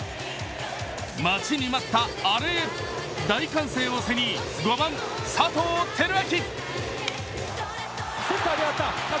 待ちに待ったアレへ、大歓声を背に５番・佐藤輝明。